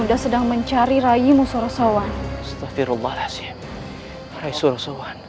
ibu sedang mencari rayimu surasawan